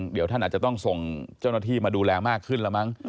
เดี๋ยวท่านอาจจะต้องส่งเจ้าหน้าที่มาดูแลมากขึ้นแล้วมั้ง